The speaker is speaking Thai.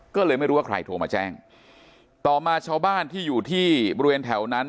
ก็เลยไม่รู้ว่าใครโทรมาแจ้งต่อมาชาวบ้านที่อยู่ที่บริเวณแถวนั้น